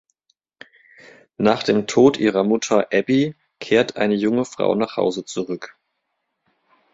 Nach dem Tod ihrer Mutter Abby kehrt eine junge Frau nach Hause zurück.